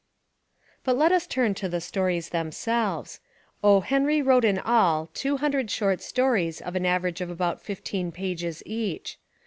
But let us turn to the stories themselves. O. Henry wrote In all two hundred short stories of an average of about fifteen pages each.